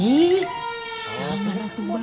ihh jangan mbak